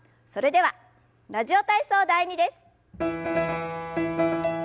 それでは「ラジオ体操第２」です。